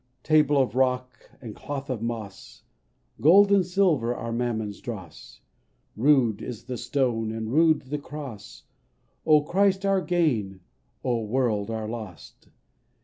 Table of rock, and cloth of moss ; (Gold and silver are Mammon's dross), Rude is the stone, and rude the cross, O Christ our gain, O World our loss